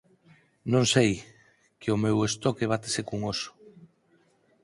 Non sei, que o meu estoque batese cun óso...